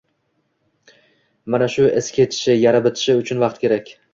Mana shu iz ketishi, yara bitishi uchun vaqt kerak